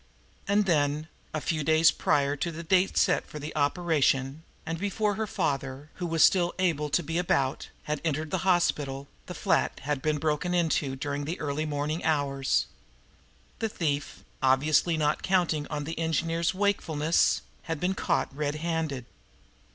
And then, a few days prior to the date set for the operation and before her father, who was still able to be about, had entered the hospital, the flat had been broken into during the early morning hours. The thief, obviously not counting on the engineer's wakefulness, had been caught red handed.